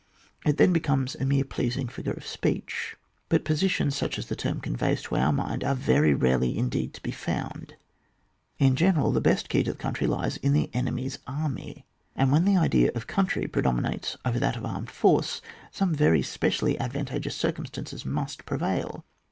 It then becomes a mere pleasing figure of speech. But positions such as the term conveys to our mind are very rarely indeed to be found. In general, the best key to the country lies in the enemy's army; and when the idea of coimtry predominates over that of the armed force, some very specially advantageous circumstances must prevail.